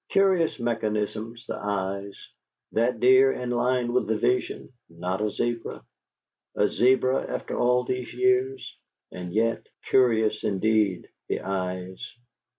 Curious mechanisms the eyes.... That deer in line with the vision not a zebra? A zebra after all these years? And yet ... curious, indeed, the eyes!